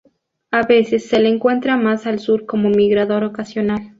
A veces se le encuentra más al sur como migrador ocasional.